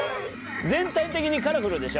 全体的にカラフルでしょ？